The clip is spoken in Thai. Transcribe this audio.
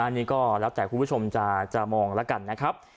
อันนี้ก็รับใจคุณผู้ชมจะมองแล้วกันนะคะ